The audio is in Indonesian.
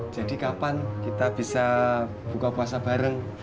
jadi kapan kita bisa buka puasa bareng